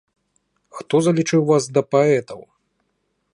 Хто залічыў вас да паэтаў?